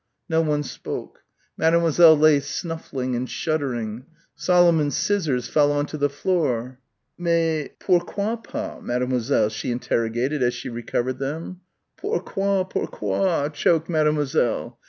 No one spoke; Mademoiselle lay snuffling and shuddering. Solomon's scissors fell on to the floor. "Mais pour_quoi_ pas, Mademoiselle?" she interrogated as she recovered them. "Pourquoi, pourquoi!" choked Mademoiselle.